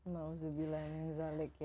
ma'udzubillah yang zalik ya